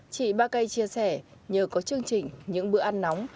chị bacay chia sẻ nhờ có chương trình những bữa ăn nóng